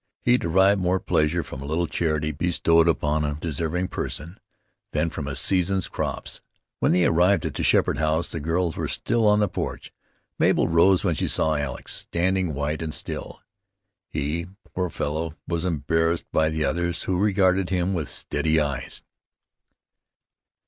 He derived more pleasure from a little charity bestowed upon a deserving person, than from a season's crops. When they arrived at the Sheppard house the girls were still on the porch. Mabel rose when she saw Alex, standing white and still. He, poor fellow, was embarrassed by the others, who regarded him with steady eyes.